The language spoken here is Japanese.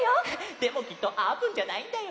でもきっとあーぷんじゃないんだよ。